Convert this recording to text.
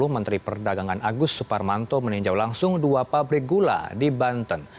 menteri perdagangan agus suparmanto meninjau langsung dua pabrik gula di banten